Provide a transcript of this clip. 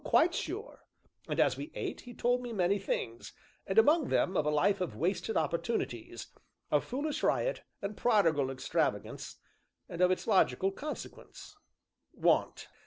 "Quite sure. And, as we ate, he told me many things, and among them of a life of wasted opportunities of foolish riot, and prodigal extravagance, and of its logical consequence want."